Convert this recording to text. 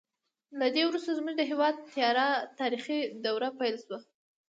له دې وروسته زموږ د هېواد تیاره تاریخي دوره پیل شوه.